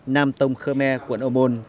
nam tông khơ me quận ô môn